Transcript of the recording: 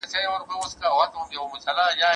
د نوي سیستم له مخې د زده کوونکو وړتیا څنګه ارزول کیږي؟